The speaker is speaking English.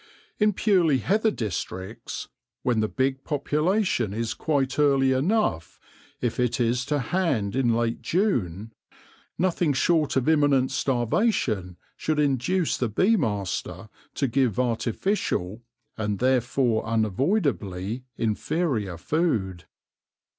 In purely heather districts, when the big population is quite early enough if it is to hand in late June, nothing short of imminent starvation should induce the bee master to give artificial, and therefore un avoidably inferior, food.